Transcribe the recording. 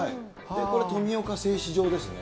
これ、富岡製糸場ですね。